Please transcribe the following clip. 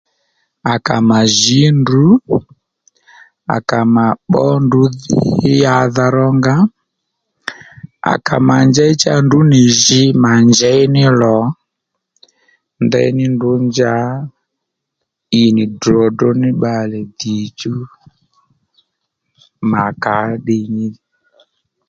À kà mà jǐ ndrǔ à kà mà bbǒ ndrǔ dhí yǎdha rónga à kà mà njěy cha ndrǔ nì jǐ mà njěy ní lò ndeyní ndrǔ njǎ ì nì ddròddró ní bbàle ddìchú mà kà ó ddiy ní